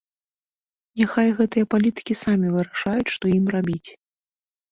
Няхай гэтыя палітыкі самі вырашаюць, што ім рабіць.